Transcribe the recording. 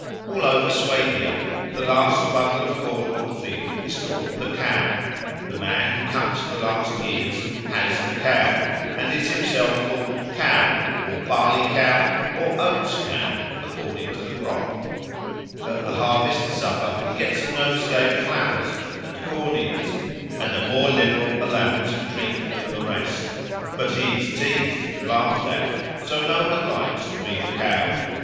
All over Swabia the last bundle of corn on the field is called the Cow; the man who cuts the last ears "has the Cow," and is himself called Cow or Barley cow or Oats cow, according to the crop; at the harvest supper he gets a nosegay of flowers and corn ears and a more liberal allowance of drink than the rest. But he is teased and laughed at; so no one likes to be the Cow.